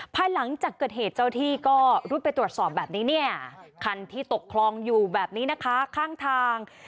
ภายหลังจากเกิดเหตุเจ้าที่ก็รุดไปตรวจสอบแบบนี้เนี่ยคันที่ตกคลองอยู่แบบนี้นะคะข้างทาง